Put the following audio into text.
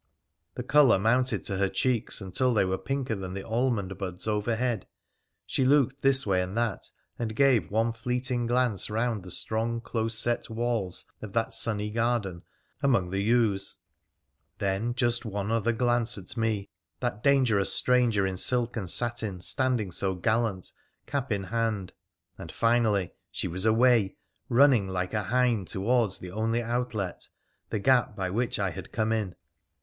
The colour mounted to her cheeks until they were pinker than the almond buds overhead. She looked this way and that, and gave one fleeting glance round the strong, close set walls of that sunny garden among the yews, then just one other glance at me, that dangerous stranger in silk and satin, standing so gallant, cap in hand, and finally she was away, running like a hind towards the only outlet, the gap by which I had come in.